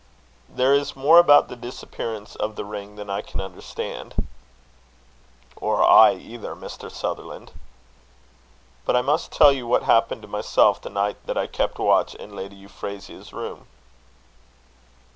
"There is more about the disappearance of the ring than I can understand." "Or I either, Mr. Sutherland." "But I must tell you what happened to myself, the night that I kept watch in Lady Euphrasia's room."